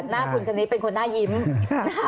หน้าคุณชะนีเป็นคนน่ายิ้มนะคะ